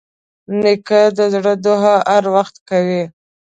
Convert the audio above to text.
نیکه د زړه دعا هر وخت کوي.